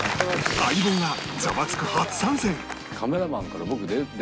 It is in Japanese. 『相棒』が『ザワつく！』初参戦！